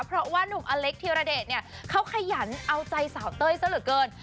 เพราะว่านุ่มอเล็กธิระเดชเนี่ยเขาขยันเอาใจสาวเต้ยซะเหลือเกิน